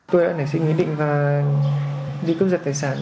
tôi đã nảy sinh ý định và đi cướp giật tài sản